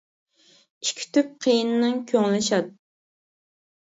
ئىككى تۈپ قېيىننىڭ كۆڭلى شاد.